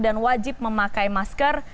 dan wajib memakai masker